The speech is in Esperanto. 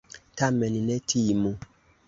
Tamen ne timu!